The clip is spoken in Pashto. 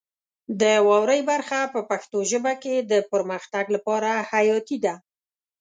د واورئ برخه په پښتو ژبه کې د پرمختګ لپاره حیاتي ده.